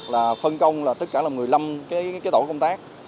là phân công là tất cả là một mươi năm cái tổ công tác